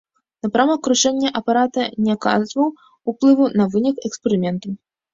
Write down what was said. Напрамак кручэння апарата не аказваў уплыву на вынік эксперыменту.